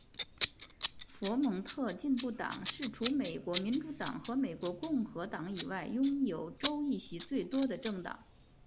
佛蒙特进步党是除美国民主党和美国共和党以外拥有州议席最多的政党。